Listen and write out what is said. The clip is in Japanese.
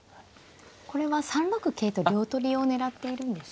これは３六桂と両取りを狙っているんですか。